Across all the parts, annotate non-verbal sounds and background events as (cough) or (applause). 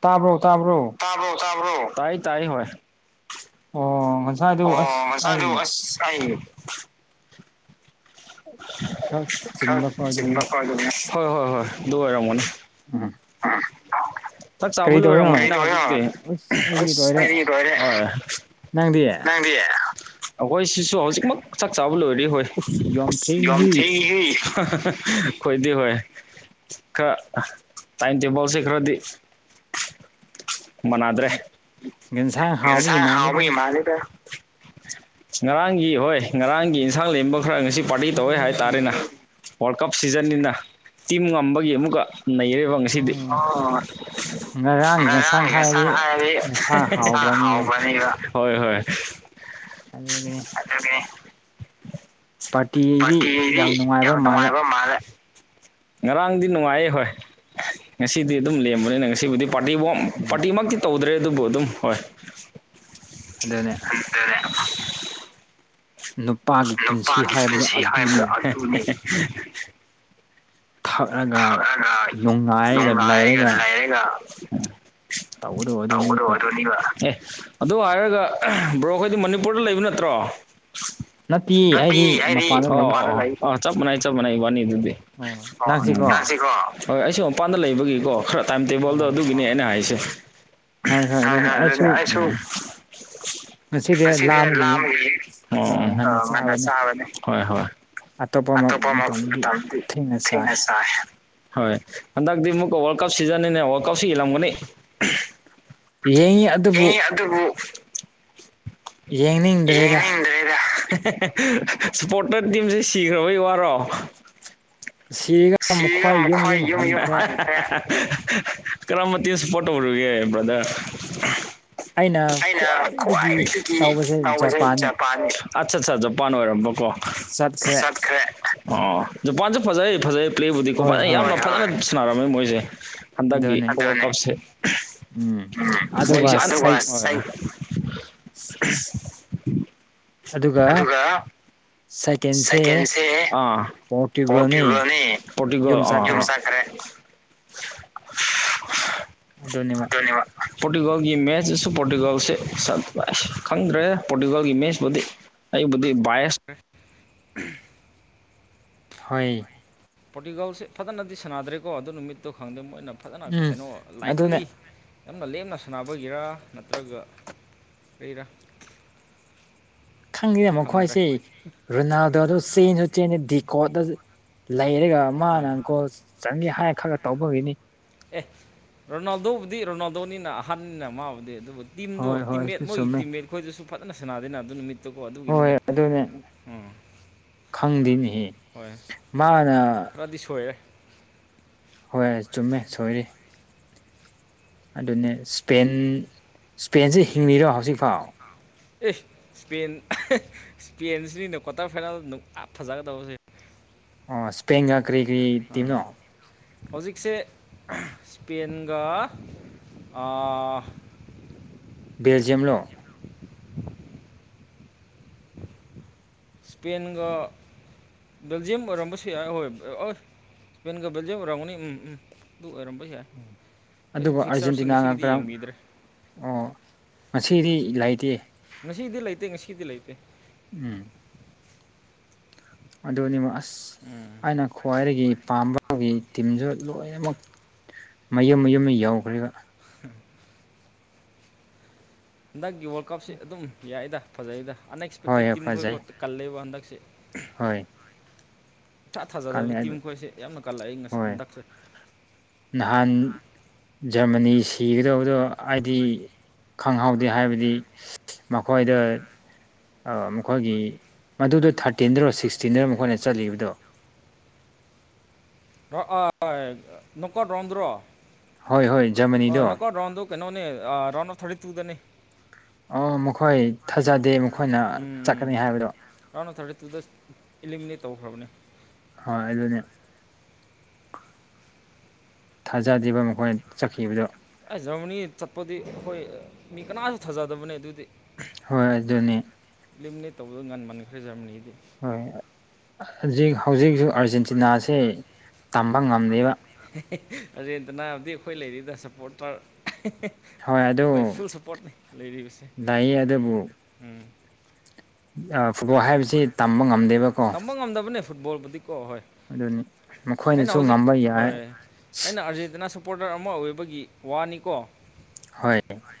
ꯇꯥꯕ꯭ꯔꯣ ꯇꯥꯕ꯭ꯔꯣ ꯇꯕ ꯇꯥꯕ꯭ꯔꯣ ꯇꯥꯏ ꯇꯥꯏ ꯍ ꯑꯣ ꯉꯁꯥꯏꯗꯨ ꯑꯣ ꯑꯁ ꯁꯥ ꯑꯗꯨ ꯑꯩ ꯑꯁ ꯑꯩ ꯈꯔ ꯆ ꯆꯤꯟꯕꯀꯣ ꯑꯗꯨꯒꯤꯅꯦ ꯍꯣꯏ ꯍꯣꯏ ꯍꯣꯏ ꯕꯔꯔꯃꯅ (unintelligible) ꯎꯝ ꯑ ꯀꯔꯤ ꯆꯕꯂ ꯑꯣꯏꯔ ꯇꯧꯔꯤꯅꯣ ꯑꯁ ꯑꯩꯗꯤ ꯂꯣꯏꯔꯦ (inaudible) ꯅꯪꯗꯤ ꯅꯪꯗꯤ ꯑꯩꯈꯣꯏ ꯁꯤꯁꯨ ꯍꯧꯖꯤꯛꯃꯛ ꯆꯥꯛ ꯆꯥꯕ ꯂꯣꯏꯔꯤ ꯍꯣꯏ ꯎꯁ ꯌꯥꯝ ꯌꯝ ꯊꯦꯡꯍꯦ ꯊꯦꯡꯋꯤꯍꯦ ꯑꯩꯈꯣꯏꯗꯤ ꯍꯣꯏ ꯈꯔ ꯇꯥꯏꯝ ꯇꯦꯕꯜꯁꯦ ꯈꯔꯗꯤ ꯃꯅꯥꯗ꯭ꯔꯦ ꯌꯦꯟꯁꯥꯡ ꯍꯥꯎꯕꯒꯤ ꯌꯦꯟꯁꯥꯡ ꯃꯥꯜꯂꯤꯗ ꯍꯥꯎꯕꯒꯤ ꯃꯥꯜꯂꯤ ꯉꯔꯥꯡꯒꯤ ꯍꯣꯏ ꯉꯔꯥꯡꯒꯤ ꯑꯦꯟꯁꯥꯡ ꯂꯦꯝꯕ ꯈꯔ ꯉꯁꯤ ꯄꯥꯔꯇꯤ ꯇꯧꯋꯦ ꯍꯥꯏꯇꯥꯔꯦꯅꯦ ꯋꯥꯔꯜ ꯀꯞ ꯁꯤꯖꯟꯅꯤꯅ ꯇꯤꯝ ꯉꯝꯕꯒꯤ ꯑꯃꯨꯛꯀ ꯅꯩꯔꯦꯒꯣ ꯉꯁꯤꯗꯤ ꯑꯣ ꯉꯔꯥꯡꯒꯤ ꯌꯦꯟꯁꯥꯡ ꯍꯥꯢꯔꯗꯤ ꯌꯦꯟꯁꯥꯡ ꯍꯥꯎꯕꯅꯤꯕ ꯍꯥꯎꯕꯅꯤꯅ ꯍꯣꯏ ꯍꯣꯏ ꯑꯗꯨꯅꯤ ꯑꯗꯨꯅꯤ ꯄꯥꯔꯇꯤꯗꯤ ꯌꯥꯝ ꯅꯨꯡꯉꯥꯏꯕ ꯃꯥꯜꯂꯦ ꯉꯔꯥꯡꯗꯤ ꯅꯨꯡꯉꯥꯏꯌꯦ ꯍꯣꯏ ꯉꯁꯤꯗꯤ ꯑꯗꯨꯝ ꯂꯦꯝꯕꯅꯤꯅ ꯉꯁꯤꯕꯨꯗꯤ ꯄꯥꯔꯇꯤ ꯎꯝ ꯄꯥꯔꯇꯤꯃꯛꯇꯤ ꯇꯧꯗ꯭ꯔꯦ ꯑꯗꯨꯕꯨ ꯑꯗꯨꯝ ꯍꯣꯏ ꯑꯗꯨꯅꯦ ꯅꯨꯄꯥꯒꯤ ꯄꯨꯟꯁꯤ ꯅꯨꯄꯥꯒꯤ ꯍꯥꯏꯕꯗꯣ ꯄꯨꯟꯁꯤ ꯍꯥꯏꯕꯗꯣ ꯑꯗꯨꯅꯤ ꯑꯗꯨꯅꯤ ꯊꯛꯑꯒ ꯒ ꯅꯨꯡꯉꯥꯏꯔꯒ ꯅꯣꯡ ꯂꯩꯔꯒ ꯍꯥꯏꯔꯦꯒꯂ ꯍꯔꯦꯒ (inaudible) ꯇꯧꯕꯗꯣ ꯑꯗꯨꯅꯤ ꯍꯧꯔ ꯑꯣꯏꯅꯤꯒ (inaudible) ꯑꯦ ꯑꯗꯨ ꯍꯥꯏꯔꯒ ꯕ꯭ꯔꯣ ꯈꯣꯏꯗꯤ ꯃꯅꯤꯄꯨꯔꯗ ꯂꯩꯕ ꯅꯠꯇ꯭ꯔꯣ ꯅꯠꯇꯦ ꯑꯩꯗꯤ ꯃꯄꯥꯟꯗ ꯂꯩ ꯑ ꯆꯞ ꯃꯅꯥꯏ ꯆꯞ ꯃꯅꯥꯏ ꯅꯤ ꯑꯗꯨꯗꯤ (inaudible) ꯑꯣ ꯎꯝ ꯅꯪꯁꯨꯒꯣ ꯍꯣꯢ ꯑꯩꯁꯨ ꯃꯄꯥꯟꯗ ꯂꯩꯕꯒꯤꯀꯣ ꯈꯔ ꯇꯥꯏꯝ ꯇꯦꯕꯜꯗꯣ ꯑꯣ ꯑꯗꯨꯒꯤꯅꯦ ꯑꯩꯅ ꯍꯥꯏꯁꯦ ꯍꯣꯏ ꯍꯣꯏ ꯑꯗꯨꯅꯤ ꯑꯩꯁꯨ ꯑꯁꯤꯗꯤ ꯂꯥꯝꯕꯒꯤ ꯉꯟꯅ ꯉꯥꯜꯅ ꯆꯥꯕꯅꯤ ꯆꯥꯔꯅꯤ ꯑꯇꯣꯞꯄ ꯃꯇꯝꯗꯤ ꯊꯦꯡꯅ ꯆꯥꯏ ꯍꯣꯏ ꯍꯟꯗꯛꯇꯤ ꯑꯃꯨꯛꯀ ꯋꯥꯔꯜ ꯀꯞ ꯁꯤꯖꯟꯅꯅꯤꯅ ꯋꯥꯔꯜ ꯀꯞꯁꯤ ꯌꯦꯡꯂꯝꯒꯅꯤ ꯌꯦꯡꯉꯤ ꯑꯗꯨꯕꯨ ꯌꯦꯡꯉꯤ ꯑꯗꯨꯕꯨ ꯌꯦꯡꯅꯤꯡꯗ꯭ꯔꯦꯗ ꯌꯦꯡꯅꯤꯡꯗ꯭ꯔꯦꯗ ꯏꯁꯄꯣꯔꯠꯇ ꯇꯤꯝꯁꯦ ꯁꯤꯈ꯭ꯔꯕꯩ ꯋꯥꯔꯣ ꯁꯤꯒ (inaudible) ꯁꯤꯒ ꯃꯈꯣꯏ ꯌꯨꯝ ꯌꯨꯝ (inaudible) ꯀꯔꯝꯕ ꯇꯤꯝ ꯁꯥꯄꯣꯠ ꯇꯧꯔꯨꯒꯦ ꯕꯥꯔꯗ꯭ꯔ ꯑꯩꯅ ꯈ꯭ꯋꯥꯏꯗꯒꯤꯗꯒꯤ ꯇꯧꯕꯁꯦ ꯖꯄꯥꯟ ꯑꯠꯆꯥ ꯑꯠꯆꯥ ꯖꯄꯥꯟ ꯑꯣꯏꯔꯝꯕ ꯀꯣ ꯆꯠꯈ꯭ꯔꯦ ꯑꯣ ꯖꯄꯥꯟꯁꯦ ꯐꯖꯩ ꯐꯖꯩ ꯄ꯭ꯂꯦꯕꯨꯗꯤꯀꯣ ꯍꯣꯏ ꯐꯖꯅ ꯍꯣꯏ ꯌꯥꯝꯅ ꯐꯖꯅ ꯁꯥꯟꯅꯔꯝꯃꯦ ꯃꯣꯏꯁꯦ ꯍꯟꯗꯛꯀꯤ ꯑꯗꯨꯅꯦ ꯇꯁꯦ ꯎꯝ ꯑꯗꯨꯒ ꯃꯣꯏ (inaudible) (inaudible) ꯑꯗꯨꯒ ꯁꯥꯏꯀꯦꯟꯁꯦ ꯁꯀꯦꯟꯁꯦ ꯄꯣꯔꯇꯨꯒꯜꯅꯤ ꯕꯣꯔꯇꯨꯒꯥꯟꯅꯦ ꯌꯨꯝ ꯆꯠꯈꯔꯦ ꯑꯗꯨꯅꯦꯕ ꯑꯗꯣꯅꯤꯕ (inaudible) ꯄꯣꯔꯇꯨꯒꯥꯜꯒꯤ ꯃꯦꯠꯆꯁꯨ ꯄꯣꯔꯇꯨꯒꯥꯜꯁꯦ ꯈꯪꯗ꯭ꯔꯦ ꯄꯣꯔꯇꯨꯒꯥꯜꯒꯤ ꯃꯦꯠꯆꯄꯨꯗꯤ ꯑꯩꯕꯨꯤ ꯏꯁ (inaudible) ꯍꯣꯏ ꯄꯣꯔꯇꯤꯒꯜꯁꯦ ꯐꯖꯅꯗꯤ ꯁꯥꯟꯅꯗ꯭ꯔꯦꯀꯣ ꯑꯗꯨ ꯅꯨꯃꯤꯠꯇꯣ ꯈꯪꯗꯦ ꯃꯣꯏꯅ ꯐꯖꯅ ꯎꯝ ꯀꯩꯅꯣ ꯑꯗꯨꯅ ꯂꯥꯏꯠꯂꯤ ꯌꯥꯝꯅ ꯂꯦꯝꯅ ꯁꯥꯟꯅꯕꯒꯤꯔꯥ ꯅꯠꯇ꯭ꯔꯒ ꯂꯩꯩꯔꯥ ꯈꯪꯗꯦꯗ ꯃꯇꯣꯢꯁꯦ ꯔꯣꯅꯥꯜꯗꯣ ꯑꯗꯨ ꯆꯦꯟꯁꯨ ꯆꯦꯟꯗꯦ ꯗꯤꯀꯣꯗ ꯂꯩꯔꯒ ꯍꯣꯏ ꯃꯥꯅ ꯑꯪꯀꯣꯜ ꯆꯥꯟꯅꯤ ꯍꯥꯏꯅ ꯈꯔ ꯇꯧꯕꯒꯤꯅꯤ ꯑꯦ ꯔꯣꯅꯥꯜꯗꯣꯕꯨꯗꯤ ꯔꯣꯅꯥꯜꯗꯣꯅꯤꯅ ꯑꯍꯟꯅꯤꯅ ꯃꯥꯕꯨꯗꯤ ꯑꯗꯨꯕꯨꯗꯤ ꯇꯤꯝꯗꯣ ꯍꯣꯏ ꯍꯣꯏ ꯇꯤꯝꯃꯦꯠ ꯑꯗꯨ ꯃꯣꯏꯒꯤ ꯆꯨꯝꯃꯦ ꯇꯤꯝꯃꯦꯠ ꯈꯣꯏꯗꯨꯁꯨ ꯐꯖꯅ ꯁꯥꯟꯅꯥꯗꯦꯅ ꯑꯗꯨ ꯅꯨꯃꯤꯠ ꯑꯗꯨꯀꯣ ꯍꯣꯏ ꯑꯗꯨꯒꯤꯅꯤꯗ ꯑꯗꯨꯅꯦ ꯎꯝ (unintelligible) ꯃꯥꯅ (unintelligible) ꯁꯣꯏꯑꯦ ꯍꯣꯏ ꯆꯨꯝꯃꯦ ꯁꯣꯏꯔꯤ ꯑꯗꯨꯅꯦ ꯁꯄꯦꯟ ꯁ꯭ꯄꯦꯟꯁꯦ ꯍꯤꯡꯂꯤꯔꯣ ꯍꯧꯖꯤꯛꯐꯥꯎ ꯑꯦ ꯏꯁꯄꯦꯟ ꯏꯁꯄꯦꯟꯁꯤꯅꯤꯅ ꯀ꯭ꯋꯥꯇꯔ ꯐꯥꯏꯅꯦꯜꯗ ꯐꯖꯒꯗꯕꯁꯦ ꯑꯣ ꯁ꯭ꯄꯦꯟꯒ ꯀꯔꯤ ꯀꯔꯤ ꯇꯤꯝꯅꯣ ꯍꯧꯖꯤꯛꯁꯦ ꯏꯁꯄꯦꯟꯒ ꯕꯦꯜꯖꯤꯌ ꯂꯣ ꯏꯁꯄꯦꯟꯒ ꯕꯦꯜꯖꯤꯌꯝ ꯑꯣꯏꯔꯝꯕꯁꯨ ꯌꯥꯏ ꯍꯣꯏ ꯑ (unintelligible) ꯒꯕꯦꯜꯖꯦꯔꯝꯅꯤ ꯎꯝ ꯎꯝ ꯕꯨ ꯑꯣꯏꯔꯝꯕ ꯑꯩꯁꯨ ꯑꯗꯨꯒ ꯑꯥꯔꯖꯦꯟꯇꯤꯅꯥꯒ ꯐꯤꯛꯆꯥꯥꯔꯁꯤꯡꯁꯤꯒꯤꯗꯤ ꯀꯔꯝ ꯌꯦꯡꯕꯤꯗ꯭ꯔꯦ ꯑꯣ ꯉꯁꯤꯗꯤ ꯂꯩꯇꯦ ꯉꯁꯤꯗꯤ ꯂꯩꯇꯦ ꯉꯁꯤꯗꯤ ꯂꯩꯇꯦ ꯎꯝ ꯑꯗꯨꯅꯤꯃ ꯑꯁ ꯑꯅ ꯈ꯭ꯋꯥꯏꯗꯒꯤ ꯄꯥꯝꯕꯒꯤ ꯇꯤꯝꯁꯨ ꯂꯣꯏꯅꯃꯛ ꯃꯌꯨꯝ ꯃꯌꯨꯝ ꯑꯃ ꯌꯥꯎꯈ꯭ꯔꯕ (unintelligible) ꯍꯟꯗꯛꯀꯤ ꯋꯥꯔꯜ ꯀꯞꯁꯤ ꯑꯗꯨꯝ ꯌꯥꯏꯗ ꯐꯖꯩꯗ ꯍꯣꯏ ꯑꯟꯑꯛꯁꯄꯦꯛꯇꯦꯠ ꯇꯤꯝ ꯐꯖꯩ ꯈꯣꯏꯀꯣ ꯀꯜꯂꯦꯕ ꯍꯟꯗꯛꯁꯦ ꯍꯣꯏ ꯏꯥ ꯀꯜꯂꯦ ꯊꯥꯖꯗꯕ ꯇꯤꯝ ꯑꯗꯨ ꯈꯣꯏꯁꯦ ꯌꯥꯝꯅ ꯀꯜꯂꯛꯏ ꯉꯁ ꯍꯣꯏ ꯍꯟꯗꯛꯁꯦ ꯅꯍꯥꯟ ꯖꯔꯃꯅꯤ ꯁꯤꯒꯗꯧꯕꯗꯣ ꯍꯥꯏꯗꯤ ꯈꯪꯍꯧꯗꯦ ꯍꯥꯏꯕꯗꯤ ꯃꯈꯣꯏꯗ ꯑ ꯃꯈꯣꯏꯒꯤ ꯃꯗꯨꯗꯣ ꯑꯗꯨꯗ ꯊꯥꯔꯇꯤꯟꯗꯔꯣ ꯊꯥꯔꯇꯤꯟꯔꯣ ꯁꯤꯛꯁꯇꯤꯟꯗꯔꯣ ꯁꯤꯛꯁꯇꯤꯟꯔ ꯃꯈꯣꯏꯅ ꯑꯩꯈꯣꯏꯅ ꯆꯠꯂꯤꯕꯗꯣ ꯆꯠꯂꯤꯗꯣ (unintelligible) ꯀꯩꯅꯣꯅꯦ ꯍꯣꯏ ꯍꯣꯏ ꯖꯔꯃꯅꯤꯗꯣ ꯔꯟ ꯑꯣꯐ ꯊꯔꯇꯤ ꯇꯨꯗꯅꯦ ꯑꯣ ꯃꯈꯣꯏ ꯊꯥꯖꯗꯦ ꯃꯈꯣꯏꯅ ꯎꯝ ꯆꯠꯀꯅꯤ ꯍꯥꯏꯕꯗꯣ ꯔꯥꯎꯟ ꯊꯥꯔꯇꯤ ꯇꯨꯗ ꯏꯂꯤꯃꯤꯅꯦꯠ ꯇꯧꯈ꯭ꯔꯕꯅꯦ ꯍꯣꯏ ꯑꯗꯨꯅꯦ ꯊꯥꯖꯈꯤꯕ ꯃꯈꯣꯏꯅ ꯆꯠꯈꯤꯕꯗꯣ ꯑꯩꯁ ꯖꯔꯃꯅꯤ ꯆꯠꯄꯗꯤ ꯑꯩꯈꯣꯏ ꯃꯤ ꯀꯅꯥꯁꯨ ꯊꯥꯖꯗꯕꯅꯦ ꯑꯗꯨꯗꯤ ꯍꯣꯏ ꯑꯗꯨꯅꯤ ꯂꯝꯅꯦ ꯇꯧꯕꯗꯣ ꯉꯟꯃꯟꯈ꯭ꯔꯦ ꯖꯔꯃꯅꯤꯗꯤ ꯍꯣꯏ ꯍꯧꯛ ꯍꯧꯖꯤꯛꯁꯨ ꯑꯥꯔꯖꯦꯟ (unintelligible) ꯑꯒꯦꯟꯇꯤꯅꯥꯗꯤ ꯑꯩꯈꯣꯏ ꯂꯩꯔꯤꯗ ꯁꯞꯄꯣꯔ ꯇꯔ ꯍꯣꯏ ꯑꯗꯨ ꯂꯩꯔꯤꯕꯁꯦ ꯂꯩꯌꯦ ꯑꯗꯨꯕꯨ ꯎꯝ ꯐꯨꯠꯕꯣꯜ ꯍꯥꯏꯕꯁꯤ ꯇꯝꯕ ꯉꯝꯗꯦꯕꯀꯣ ꯇꯝꯕ ꯉꯝꯗꯕꯅꯦ ꯐꯨꯠꯕꯣꯜꯕꯨꯗꯤꯀꯣ ꯍꯣꯏ ꯑꯗꯨꯅꯤ ꯃꯈꯣꯏꯅꯁꯨ ꯉꯝꯕ ꯌꯥꯏ (unintelligible) ꯄꯣꯗꯔ ꯑꯃ ꯑꯣꯏꯕꯒꯤ ꯋꯥꯅꯤꯀꯣ ꯍꯣꯏ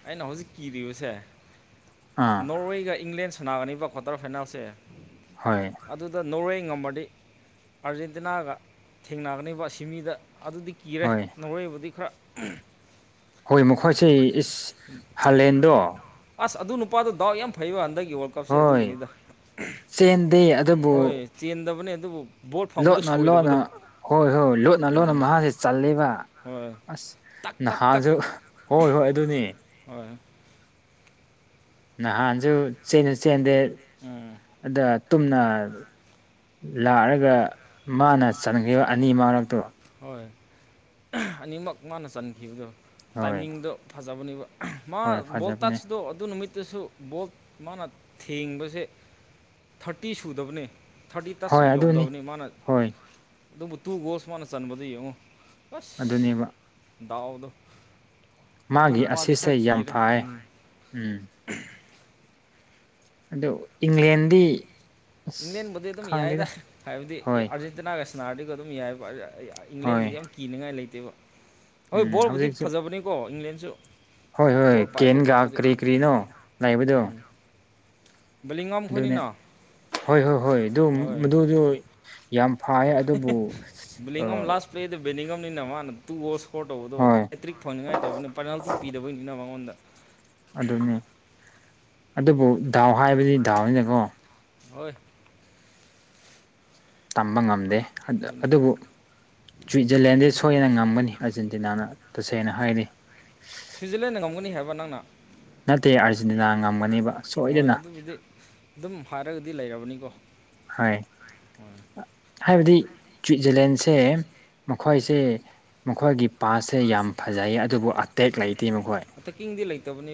ꯑꯩꯅ ꯍꯧꯖꯤꯛ ꯀꯤꯔꯤꯕꯁꯦ ꯑꯥ ꯅꯣꯔꯋꯦꯒ ꯏꯪꯂꯦꯟ ꯁꯥꯟꯅꯥꯒꯅꯤꯕ ꯇꯔ ꯐꯥꯏꯅꯥꯜꯁꯦ ꯍꯣꯏ ꯑꯗꯨꯗ ꯅꯣꯔꯋꯦ ꯉꯝꯃꯗꯤ ꯑꯥꯔꯖꯦꯟꯇꯤꯅꯥꯒ ꯊꯦꯡꯅꯒꯅꯦꯕ ꯁꯤꯃꯤꯗ ꯑꯗꯨꯗꯤ ꯀꯤꯔꯦ ꯍꯣꯏ ꯅꯧꯋꯦꯕꯨꯗꯤ ꯈꯔ ꯍꯣꯏ ꯃꯈꯣꯏꯁꯦ ꯏꯁ ꯍꯥꯂꯦꯟꯗꯣ ꯑꯁ ꯑꯗꯨ ꯅꯨꯄꯥꯗꯣ ꯗꯥꯎ ꯌꯥꯝ ꯐꯩꯕ ꯍꯟꯗꯛꯀꯤ ꯋꯥꯔꯜ ꯀꯞꯁꯦ ꯍꯣꯏ ꯑꯗꯨꯒꯤꯅꯤꯗ ꯆꯦꯟꯗꯦ ꯑꯗꯨꯕꯨ ꯍꯣꯏ ꯆꯦꯟꯗꯕꯅꯦ ꯑꯗꯨꯕꯨ ꯕꯣꯜ ꯐꯪꯕꯗꯣ ꯂꯣꯠꯅ ꯂꯣꯟꯅ ꯁꯣꯏꯗꯕꯗꯣ ꯍꯣꯏ ꯍꯣꯏ ꯂꯣꯠꯅ ꯂꯣꯟꯅ ꯎꯝ ꯃꯍꯥꯛꯁꯦ ꯆꯜꯂꯦꯕ ꯍꯣꯏ ꯑꯁ ꯇꯛ ꯇꯛ ꯇꯛ ꯅꯍꯥꯟꯁꯨ ꯍꯣꯏ ꯍꯣꯏ ꯑꯗꯨꯅꯤ ꯍꯣꯏ ꯅꯍꯥꯟꯁꯨ ꯆꯦꯟꯁꯨ ꯆꯦꯟꯗꯦ ꯎꯝ ꯑꯗ ꯇꯨꯝꯅ ꯂꯥꯛꯑꯒ ꯃꯥꯅ ꯆꯟꯈꯤꯕ ꯑꯅꯤ ꯃꯔꯛꯇꯣ ꯍꯣꯏ ꯑꯅꯤꯃꯛ ꯃꯥꯅ ꯆꯟꯈꯤꯕꯗꯣ ꯍꯣꯏ ꯇꯥꯏꯃꯤꯡꯗꯣ ꯐꯖꯕꯅꯦꯕ ꯃꯥ ꯍꯣꯏ ꯐꯖꯕꯅꯦ ꯕꯣꯜꯇꯁꯗꯣ ꯑꯗꯨ ꯅꯨꯃꯤꯠ ꯇꯁꯨ ꯕꯣꯜ ꯃꯥꯅ ꯊꯦꯡꯕꯁꯦ ꯊꯥꯔꯇꯤ ꯁꯨꯗꯕꯅꯤ ꯊꯥꯔꯇꯤ ꯇꯁ ꯍꯣꯏ ꯑꯗꯨꯅꯤ ꯌꯧꯗꯕꯅꯤ ꯃꯥꯅ ꯍꯣꯏ ꯑꯗꯨꯕꯨ ꯇꯨ ꯒꯣꯜꯁ ꯃꯥꯅ ꯆꯟꯕꯗ ꯌꯦꯡꯉꯨ ꯑꯁ ꯑꯗꯨꯅꯦꯕ ꯗꯥꯎꯗꯣ ꯑꯗꯨ ꯃꯥꯒꯤ ꯅꯨꯄꯥꯗꯤ ꯑꯁꯤꯁꯁꯦ ꯈꯔ ꯌꯥꯝ ꯀꯤꯔꯦ ꯐꯌꯦ ꯎꯝ ꯎꯝ ꯑꯗꯨ ꯏꯪꯂꯦꯟꯗꯤ ꯏꯪꯂꯦꯟꯕꯨꯗꯤ ꯑꯗꯨꯝ ꯌꯥꯏꯗ ꯈꯪꯗꯦꯗ ꯍꯥꯏꯕꯗꯤ ꯍꯣꯏ ꯑꯥꯔꯖꯦꯟꯇꯤꯅꯥꯒ ꯁꯅꯥꯔꯗꯤꯒ ꯑꯗꯨꯝ ꯌꯥꯏ ꯏꯪꯂꯦꯟꯕꯨꯗꯤ ꯍꯣꯏ ꯌꯥꯝ ꯀꯤꯅꯉꯥꯏ ꯂꯩꯇꯦꯕ ꯍꯣꯏ ꯎꯝ ꯕꯣꯜꯕꯨꯗꯤ ꯍꯧꯖꯤꯛꯁꯨ ꯐꯖꯕꯅꯦꯀꯣ ꯏꯪꯂꯦꯟꯁꯨ ꯍꯣꯏ ꯍꯣꯏ ꯕꯣꯜ ꯄꯥꯏꯕ ꯀꯦꯟꯒ ꯈꯣꯠꯄꯗꯤ ꯀꯔꯤ ꯀꯔꯤꯅꯣ ꯂꯩꯕꯗꯨ ꯎꯝ ꯕꯦꯂꯤꯡꯉꯝ ꯑꯗꯨꯅꯦ ꯈꯣꯏꯅꯤꯅ ꯍꯣꯏ ꯍꯣꯏ ꯍꯣꯏ ꯑꯗꯨ ꯍꯣꯏ ꯃꯗꯨꯗꯨ ꯌꯥꯝ ꯐꯥꯏ ꯑꯗꯨꯕꯨ ꯕꯦꯂꯤꯡꯉꯝ ꯂꯥꯁ ꯄ꯭ꯂꯦꯗ ꯕꯦꯅꯤꯒꯝꯅꯤꯅ ꯃꯥꯅ ꯇꯨ ꯒꯣꯜꯁ ꯏꯁꯀꯣꯔ ꯇꯧꯕꯗꯣ ꯍꯣꯏ ꯍꯦꯇ꯭ꯔꯤꯛ ꯐꯪꯅꯤꯡꯉꯥꯏ ꯇꯧꯕꯅꯤ ꯄꯦꯅꯥꯜꯇꯤ ꯄꯤꯗꯕꯅꯤꯅ ꯃꯉꯣꯟꯗ ꯑꯗꯨꯅꯤ ꯑꯗꯨꯕꯨ ꯗꯥꯎ ꯍꯥꯏꯕꯗꯤ ꯗꯥꯎꯅꯤꯅꯀꯣ ꯍꯣꯏ ꯇꯝꯕ ꯉꯝꯗꯦ ꯑꯗꯨꯅꯤ ꯑꯗꯨꯕꯨ ꯁ꯭ꯋꯤꯠꯖꯔꯂꯦꯟꯗꯤ ꯁꯣꯏꯗꯅ ꯉꯝꯒꯅꯤ ꯑꯔꯖꯦꯟꯇꯤꯅꯥꯅ ꯇꯁꯦꯡꯅ ꯍꯥꯏꯔꯗꯤ ꯁꯨꯏꯖꯔꯂꯦꯟꯅ ꯉꯝꯒꯅꯤ ꯍꯥꯏꯕ ꯅꯪꯅ ꯅꯠꯇꯦ ꯑꯥꯔꯖꯦꯟꯇꯤꯅꯥ ꯉꯝꯒꯅꯤꯕ ꯍꯣꯏ ꯁꯣꯏꯗꯅ ꯑꯗꯨꯕꯨꯗꯤ ꯑꯗꯨꯝ ꯍꯥꯏꯔꯒꯗꯤ ꯂꯩꯔꯕꯅꯤꯀꯣ ꯍꯥꯏ ꯍꯣꯏ ꯍꯥꯏꯕꯗꯤ ꯁ꯭ꯋꯤꯠꯖꯔꯂꯦꯟꯁꯦ ꯃꯈꯣꯏꯁꯦ ꯃꯈꯣꯏꯒꯤ ꯄꯥꯁꯁꯦ ꯌꯥꯝ ꯐꯖꯩ ꯑꯗꯨꯕꯨ ꯑꯇꯦꯛ ꯂꯩꯇꯦ ꯃꯈꯣꯏ ꯑꯇꯦꯛꯀꯤꯡꯗꯤ ꯂꯩꯇꯕꯅꯤ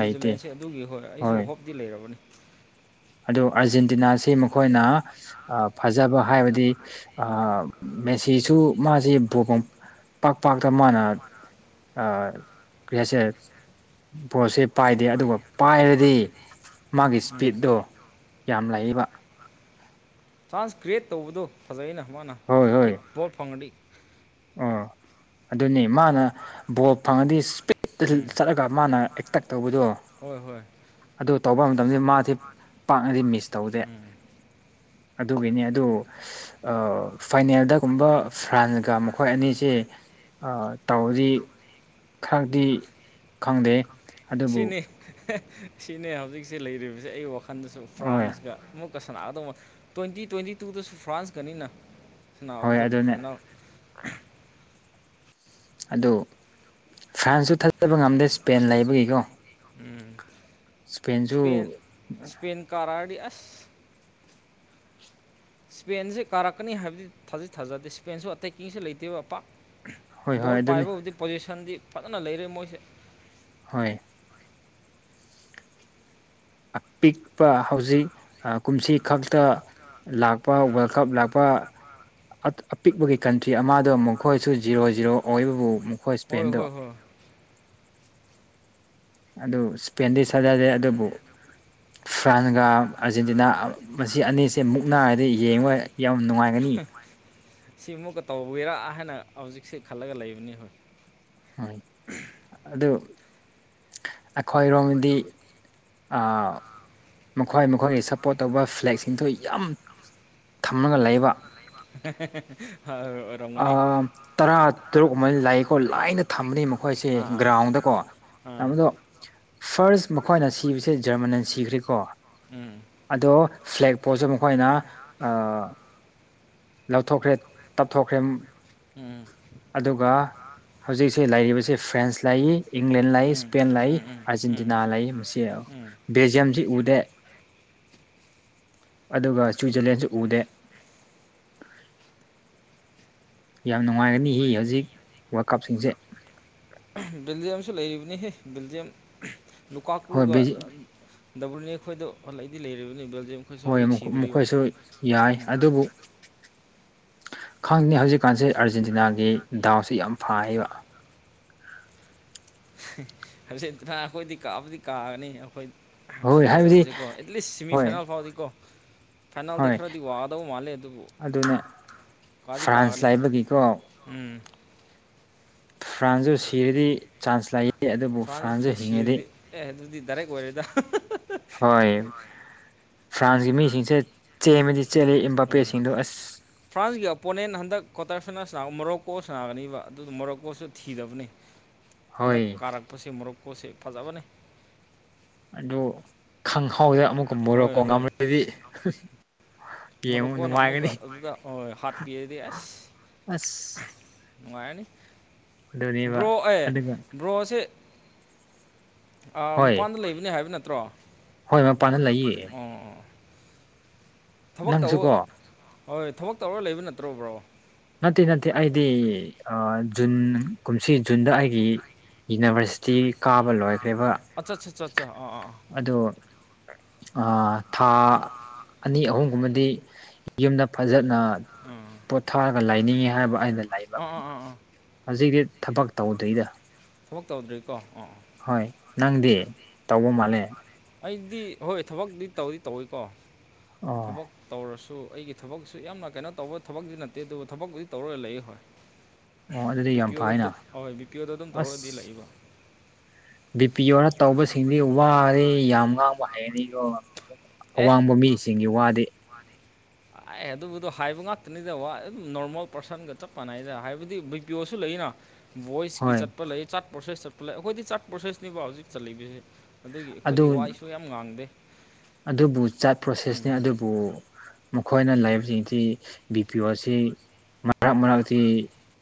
ꯂꯩꯇꯦ ꯑꯗꯨꯒꯤ ꯍꯣꯏ ꯑꯩꯁꯨ ꯍꯣꯞ ꯗꯤ ꯂꯩꯔꯕꯅꯦ ꯑꯗꯨ ꯑꯥꯔꯖꯦꯟꯇꯤꯅꯥꯁꯤ ꯃꯈꯣꯏꯅ ꯐꯖꯕ ꯍꯥꯏꯕꯗꯤ ꯃꯦꯁꯤꯁꯨ ꯃꯥꯁꯤ (unintelligible) ꯄꯥꯛ ꯄꯥꯛꯇ ꯃꯥꯅ ꯀꯔꯤꯍꯥꯏꯁꯦ ꯀꯁꯦ ꯕꯣꯁꯦ ꯄꯥꯏꯗꯦ ꯑꯗꯨꯒ ꯄꯥꯏꯔꯗꯤ ꯃꯥꯒꯤ ꯁꯄꯤꯠꯇꯣ ꯌꯥꯝ ꯂꯩꯕ ꯆꯥꯟꯁ ꯀ꯭ꯔꯤꯌꯦꯠ ꯇꯧꯕꯗꯣ ꯐꯖꯩꯅ ꯃꯥꯅ ꯍꯣꯏ ꯍꯣꯏ ꯍꯦꯛ ꯕꯣꯜ ꯐꯪꯉꯗꯤ ꯑꯣ ꯑꯗꯨꯅꯤ ꯃꯥꯅ ꯕꯣꯜ ꯐꯪꯉꯗꯤ ꯏꯁꯄꯤꯠꯇ ꯎꯝ ꯆꯠꯂꯒ ꯃꯥꯅ ꯑꯦꯛꯇꯛ ꯇꯧꯕꯗꯣ ꯍꯣꯏ ꯍꯣꯏ ꯑꯗꯨ ꯇꯧꯕ ꯃꯇꯝꯗ ꯃꯥꯗꯤ ꯄꯥꯛꯅꯗꯤ ꯃꯤꯁ ꯇꯧꯗꯦ ꯎꯝ ꯑꯗꯨꯒꯤꯅꯤ ꯑꯗꯨ ꯐꯥꯏꯅꯦꯜꯗ ꯒꯨꯝꯕ ꯐ꯭ꯔꯥꯟꯁꯒ ꯃ ꯈꯣꯏꯑꯅꯤꯁꯦ ꯇꯧꯔꯗꯤ ꯈꯔꯗꯤ ꯈꯪꯗꯦ ꯑꯗꯨꯕꯨ ꯁꯤꯅꯤ ꯁꯤꯅꯦ ꯍꯧꯖꯤꯛꯁꯦ ꯂꯩꯔꯤꯕꯁꯦ ꯑꯩ ꯋꯥꯈꯜꯗꯁꯨ ꯍꯣꯏ ꯐ꯭ꯔꯥꯟꯁꯀ ꯑꯃꯨꯛ ꯁꯥꯟꯅꯒꯗꯕ ꯇ꯭ꯋꯦꯟꯇꯤ ꯇ꯭ꯋꯦꯟꯇꯤꯇꯨ ꯗꯁꯨ ꯐ꯭ꯔꯥꯟꯁꯀꯅꯤꯅ ꯍꯣꯏ ꯁꯅꯥꯅꯕꯗꯣ ꯑꯗꯨꯅꯦ ꯐꯥꯏꯅꯥꯜ ꯑꯗꯨ ꯐ꯭ꯔꯥꯟꯁꯁꯨ ꯊꯥꯖꯕ ꯉꯝꯗꯦ ꯏꯁꯄꯦꯟ ꯂꯩꯕꯒꯤꯀꯣ ꯎꯝ ꯏꯁꯄꯦꯟꯁꯨ ꯁꯄꯦꯟ ꯁꯄꯦꯟ ꯀꯔꯥꯗꯤ ꯑꯁ ꯏꯁꯄꯦꯟꯁꯦ ꯀꯥꯔꯛꯀꯅꯤ ꯍꯥꯏꯕꯗꯤ ꯊꯥꯖꯤ ꯊꯥꯖꯗꯦ ꯏꯁꯄꯦꯟꯁꯨ ꯑꯇꯩ ꯀꯁꯨ ꯂꯩꯇꯦꯕꯄꯥꯛ ꯍꯣꯏ ꯍꯣꯏ ꯕꯣꯜ ꯑꯗꯨꯅꯤ ꯄꯥꯏꯕꯕꯨꯗꯤ ꯄꯣꯖꯤꯁꯟꯗꯤ ꯐꯖꯅ ꯂꯩꯔꯦ ꯃꯣꯏꯁꯦ ꯍꯣꯏ ꯑꯄꯤꯛꯄ ꯍꯧꯖꯤꯛ ꯀꯨꯝꯁꯤ ꯈꯛꯇ ꯂꯥꯛꯄ ꯎꯝ ꯋꯥꯔꯜ ꯀꯞ ꯂꯥꯛꯄ ꯑꯤꯛꯄꯒꯤ ꯀꯟꯇ꯭ꯔꯤ ꯑꯃꯗꯣ ꯃꯈꯣꯏꯁꯨ ꯖꯤꯔꯣ ꯖꯤꯔꯣ ꯑꯣꯏꯕꯕꯨ ꯃꯈꯣꯏ ꯍꯣꯏ ꯁ꯭ꯄꯦꯟꯗꯣ ꯍꯣꯏ ꯍꯣꯏ ꯑꯗꯨ ꯏꯁꯄꯦꯟꯗꯤ ꯊꯗꯗꯦ ꯑꯗꯨꯕꯨ ꯐ꯭ꯔꯥꯟꯒ ꯐ꯭ꯔꯥꯟꯁꯀ ꯑꯥꯔꯖꯦꯟꯇꯤꯅꯥ ꯑꯥꯔꯖꯦꯟꯇꯤꯅꯥ ꯃꯁꯤ ꯑꯅꯤꯁꯤ ꯃꯁꯤ ꯑꯅꯤꯁꯦ ꯃꯨꯛꯅꯥꯏꯉꯏꯗ ꯌꯦꯡꯉꯣꯏ ꯌꯥꯝ ꯅꯨꯡꯉꯥꯏꯒꯅꯤ ꯁꯤꯃꯨꯛꯀ ꯇꯧꯕꯤꯔꯥ ꯍꯥꯏꯅ ꯍꯧꯖꯤꯛꯁꯦ ꯈꯜꯂꯒ ꯂꯩꯕꯅꯤ ꯍꯣꯏ ꯍꯣꯏ ꯑꯗꯨ ꯑꯩꯈꯣꯏꯔꯣꯝꯗꯤ ꯃꯈꯣꯏ ꯃꯈꯣꯏꯒꯤ ꯁꯞꯄꯣꯔꯠ ꯇꯧꯕ ꯐ꯭ꯂꯦꯛꯁꯤꯡꯗꯨ ꯌꯥꯝ ꯊꯝꯃꯒ ꯂꯩꯕ (unintelligible) ꯑ ꯇꯔꯥ ꯇꯔꯨꯛ ꯑꯃꯅ ꯂꯩꯌꯦꯀꯣ ꯂꯥꯏꯅ ꯊꯝꯕꯅꯤ ꯃꯈꯣꯏꯁꯦ ꯒ꯭ꯔꯥꯎꯟꯗꯀꯣ ꯎꯝ ꯇ ꯑꯗꯣ ꯐꯥꯔꯁ ꯃꯈꯣꯏꯅ ꯁꯤꯕꯁꯦ ꯖꯔꯃꯅ ꯁꯤꯈ꯭ꯔꯦꯀꯣ ꯎꯝ ꯑꯗꯣ ꯐ꯭ꯂꯦꯛ ꯄꯣꯠꯁꯨ ꯃꯈꯣꯏꯅ ꯂꯧꯊꯣꯛꯈ꯭ꯔꯦ ꯊꯣꯛꯈ꯭ꯔꯦ ꯎꯝ ꯑꯗꯨꯒ ꯍꯧꯖꯤꯛꯁꯤ ꯂꯩꯔꯤꯕꯁꯤ ꯐ꯭ꯔꯦꯟꯁ ꯂꯥꯛꯏ ꯏꯪꯂꯦꯟ ꯂꯥꯛꯏ ꯎꯝ ꯏꯁꯄꯦꯟ ꯂꯥꯛꯏ ꯎꯝ ꯎꯝ ꯎꯝ ꯑꯥꯔꯖꯦꯟꯇꯤꯅꯥ ꯂꯩ ꯃꯁꯤ ꯎꯝ ꯕꯦꯜꯖꯤꯌꯝꯁꯤ ꯎꯗꯦ ꯑꯗꯨꯒ ꯁ꯭ꯋꯤꯖꯔꯂꯦꯟꯁꯨ ꯎꯗꯦ ꯌꯥꯝ ꯅꯨꯡꯉꯥꯏꯒꯅꯤ ꯏ ꯍꯧꯖꯤꯛ ꯋꯥꯔꯜ ꯀꯞꯁꯤꯡꯁꯦ ꯕꯤꯜꯖꯤꯌꯝꯁꯨ ꯂꯩꯔꯤꯕꯅꯤꯍꯦ ꯕꯤꯜꯖꯤꯌꯝ ꯂꯨꯀꯥ ꯀꯨꯒ ꯍꯣꯏ ꯗꯕꯜꯅꯤ ꯑꯩꯈꯣꯏꯗꯣ ꯍꯜꯂꯛꯏꯗꯤ ꯂꯩꯔꯤꯕꯅꯤ ꯕꯦꯜꯖꯤꯌꯝ ꯑꯩꯈꯣꯏꯁꯨ ꯍꯣꯏ ꯍꯧꯖꯤꯛ ꯁꯤꯗ꯭ꯔꯤꯕ ꯃꯈꯣꯏꯁꯨ ꯌꯥꯏ ꯎꯝ ꯑꯗꯨꯕꯨ ꯈꯪꯗꯦ ꯍꯧꯖꯤꯛꯀꯥꯟꯁꯦ ꯑꯥꯔꯖꯦꯟꯇꯤꯅꯥꯒꯤ ꯗꯥꯎꯁꯦ ꯌꯥꯝ ꯐꯥꯏꯌꯦꯕ ꯍꯧꯖꯤꯟ ꯑꯩꯈꯣꯏꯗꯤ ꯀꯥꯕꯨꯗꯤ ꯀꯥꯒꯅꯤ ꯑꯩꯈꯣꯏ ꯑꯦ ꯍꯣꯏ ꯍꯥꯏꯕꯗꯤ ꯊꯥꯖꯕꯁꯤ ꯀꯣ ꯑꯦꯠꯂꯤꯁ ꯁꯦꯃꯤ ꯍꯣꯏ ꯐꯥꯏꯅꯜ ꯐꯥꯎꯗꯤ ꯀꯣ ꯐꯅꯜꯗꯤ ꯍꯣꯏ ꯈꯔꯗꯤ ꯑꯗꯧ ꯃꯥꯂꯦ ꯑꯗꯨ ꯑꯗꯨꯅ ꯀꯥꯗꯤ ꯀꯥꯒꯅꯤ ꯐ꯭ꯔꯥꯟꯁ ꯂꯥꯏꯕꯒꯤꯀꯣ ꯎꯝ ꯐ꯭ꯔꯥꯟꯁꯁꯨ ꯁꯤꯔꯗꯤ ꯆꯥꯟꯁ ꯂꯥꯛꯏ ꯐ꯭ꯔꯥꯟꯁꯨ ꯁꯤꯔꯗꯤ ꯑꯦ ꯑꯗꯨꯗꯤ ꯗꯥꯏꯔꯦꯛ ꯑꯣꯏꯔꯦꯗ ꯍꯣꯏ ꯐ꯭ꯔꯥꯟꯁꯀꯤ ꯃꯤꯁꯤꯡꯁꯦ ꯆꯦꯃꯗꯤ ꯆꯦꯜꯂꯤ ꯎꯝ ꯏꯝꯕꯥꯄꯦꯁꯤꯡꯗꯣ ꯑꯁ ꯐ꯭ꯔꯥꯟꯁꯒꯤ ꯄꯣꯅꯦꯟ ꯍꯟꯗꯛ ꯀ꯭ꯋꯥꯇꯔ ꯐꯥꯏꯅꯥꯜꯅꯥꯒ ꯃꯣꯔꯣꯛꯀꯣꯅꯥꯒꯅꯤꯕ ꯑꯗꯨꯗ ꯃꯣꯔꯣꯛꯀꯣꯁꯨ ꯊꯤꯗꯕꯅꯤ ꯍꯟꯗꯛ ꯍꯣꯏ ꯀꯥꯔꯛꯄꯁꯦ ꯃꯨꯔꯣꯛꯄꯣꯠꯁꯦ ꯐꯖꯕꯅꯤ ꯑꯗꯨ ꯈꯪꯍꯥꯎꯗꯦ ꯑꯃꯨꯛꯀꯨꯝꯃꯔꯣꯀꯣ ꯉꯝꯃꯗꯤ ꯌꯦꯡꯉꯨ ꯃꯣꯔꯣꯛꯀꯣꯟꯅ ꯑꯃꯨꯛ ꯅꯨꯡꯉꯥꯏꯒꯅꯤ ꯑꯗꯨꯗ ꯍꯣꯏ ꯍꯥꯠꯄꯤꯔꯗꯤ ꯑꯁ ꯅꯨꯡꯉꯥꯏꯔꯅꯤ ꯑꯗꯨꯅꯦꯕ ꯕ꯭ꯔꯣ ꯑꯦ ꯑꯗꯨꯒ ꯕ꯭ꯔꯣꯁꯦ ꯍꯣꯏ ꯃꯄꯥꯟꯗ ꯂꯩꯕꯅꯦ ꯍꯥꯏꯕ ꯅꯠꯇ꯭ꯔꯣ ꯍꯣꯏ ꯃꯄꯥꯟꯅ ꯂꯩꯌꯦ ꯑꯣ ꯊꯕꯛ ꯇꯧꯕ ꯅꯪꯁꯨꯀꯣ ꯍꯣꯏ ꯊꯕꯛ ꯇꯧꯔ ꯂꯩꯕ ꯅꯠꯇ꯭ꯔꯣꯕ꯭ꯔꯣ ꯅꯠꯇꯦ ꯅꯠꯇꯦ ꯑꯩꯗꯤ ꯖꯨꯟ ꯀꯨꯝꯁꯤ ꯖꯨꯟꯗ ꯑꯩꯒꯤ ꯌꯨꯅꯤꯚꯔꯁꯤꯇꯤ ꯀꯥꯕ ꯂꯣꯏꯈ꯭ꯔꯦꯕ ꯑꯠꯆꯥ ꯑꯠꯆꯥ ꯑꯠꯆꯥ ꯑꯠꯆꯥ ꯑꯥ ꯑꯥ ꯑꯥ ꯑꯗꯨ ꯊꯥ ꯑꯅꯤ ꯑꯍꯨꯝꯒꯨꯝꯕꯗꯤ ꯌꯨꯝꯗ ꯐꯖꯅ ꯎꯝ ꯄꯣꯊꯥꯔꯒ ꯂꯩꯥꯏꯅꯤꯡꯉꯤ ꯍꯥꯏꯕ ꯑꯩꯅ ꯂꯥꯏ ꯑꯥ ꯑꯥ ꯑꯥ ꯍꯧꯖꯤꯛꯇꯤ ꯊꯕꯛ ꯇꯧꯗ꯭ꯣꯏꯗ ꯊꯕꯛ ꯇꯧꯗ꯭ꯔꯤꯀꯣ ꯑꯣ ꯍꯣꯏ ꯅꯪꯗꯤ ꯇꯧꯕ ꯃꯥꯜꯂꯦ ꯑꯩꯗꯤ ꯍꯣꯏ ꯊꯕꯛꯇꯗꯤ ꯇꯧꯗꯤ ꯇꯧꯋꯤꯀꯣ ꯑꯣ ꯊꯕꯛ ꯇꯧꯔꯁꯨ ꯑꯩꯒꯤ ꯊꯕꯛꯁꯨ ꯌꯥꯝꯅ ꯀꯩꯅꯣ ꯇꯧꯕ ꯊꯕꯛꯇꯗꯤ ꯅꯠꯇꯦ ꯑꯗꯨꯕꯨ ꯊꯕꯛꯄꯨꯗꯤ ꯇꯧꯔꯒ ꯂꯩ ꯍꯣꯏ ꯑꯣ ꯑꯗꯨꯗꯤ ꯕꯤ ꯌꯥꯝ ꯄꯤ ꯑꯣꯗ ꯐꯩꯅ ꯍꯣꯏ ꯕꯤ ꯄꯤ ꯑꯣꯗ ꯑꯗꯨꯝ ꯇꯧꯔꯒꯗꯤ ꯑꯁ ꯂꯥꯛꯏꯕ ꯕꯤ ꯄꯤ ꯑꯣꯅ ꯇꯧꯕꯁꯤꯡꯗꯤ ꯋꯥꯔꯦ ꯌꯥꯝ ꯉꯥꯡꯕ ꯍꯩꯔꯀꯣ ꯑꯦ ꯑꯋꯥꯡꯕ ꯃꯤꯁꯤꯡꯒꯤ ꯋꯥꯗꯤ ꯑꯦ ꯑꯗꯨꯕꯨꯗꯣ ꯍꯥꯏꯕ ꯉꯥꯛꯇꯅꯤꯗ ꯋꯥ ꯑꯗꯨꯝ ꯅꯣꯔꯃꯦꯜ ꯄꯥꯔꯁꯟꯒ ꯆꯞ ꯃꯥꯟꯅꯩꯗ ꯍꯥꯏꯕꯗꯤ ꯕꯤ ꯄꯤꯌ ꯑꯣꯁꯨ ꯂꯩꯅ ꯚꯣꯏꯁꯀꯤ ꯍꯣꯏ ꯆꯠꯄ ꯂꯩ ꯆꯥꯠ ꯄ꯭ꯔꯣꯁꯦꯁ ꯆꯠꯄ ꯂꯩ ꯑꯩꯈꯣꯏꯗꯤ ꯆꯥꯠ ꯄ꯭ꯔꯣꯁꯦꯁꯅꯦꯕ ꯍꯧꯖꯤꯛ ꯆꯠꯂꯤꯕꯁꯦ ꯑꯗꯨꯒꯤ ꯑꯗꯨ ꯑꯩꯈꯣꯏꯗꯤ ꯋꯥꯏꯁꯨ ꯌꯥꯝ ꯉꯥꯡꯗꯦ ꯑꯗꯨꯕꯨ ꯆꯥꯠ ꯎꯝ ꯄ꯭ꯔꯣꯁꯦꯁꯅꯤ ꯑꯗꯨꯕꯨ ꯃꯈꯣꯏꯅ ꯂꯩꯕꯁꯤꯡꯁꯤ ꯕꯤ ꯄꯤ ꯑꯣ ꯑꯁꯤ ꯃꯔꯛ ꯃꯔꯛꯇꯤ